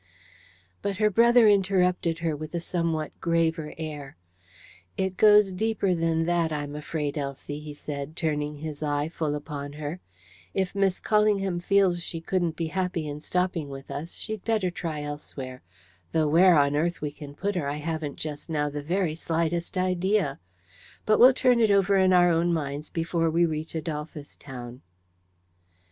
But her brother interrupted her with a somewhat graver air: "It goes deeper than that, I'm afraid, Elsie," he said, turning his eye full upon her. "If Miss Callingham feels she couldn't be happy in stopping with us, she'd better try elsewhere. Though where on earth we can put her, I haven't just now the very slightest idea. But we'll turn it over in our own minds before we reach Adolphus Town."